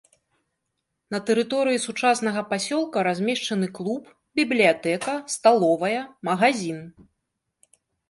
На тэрыторыі сучаснага пасёлка размешчаны клуб, бібліятэка, сталовая, магазін.